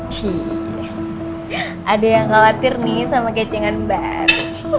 ciee ada yang khawatir nih sama kecingan bar